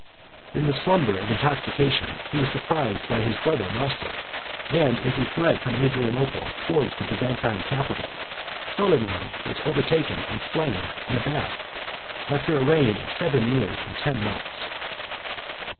In the slumber of intoxication he was surprised by his brother Mousa; and as he fled from Adrianople towards the Byzantine capital, Soliman was overtaken and slain in a bath, 731 after a reign of seven years and ten months.